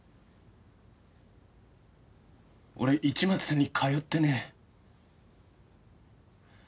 俺市松に通ってねえ。